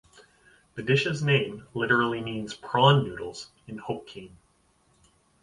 The dish's name literally means "prawn noodles" in Hokkien.